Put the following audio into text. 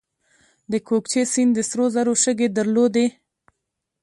د کوکچې سیند د سرو زرو شګې درلودې